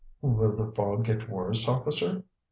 "Will the fog get worse, officer?"